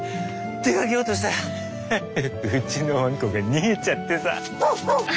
出かけようとしたらうちのワンコが逃げちゃってさ。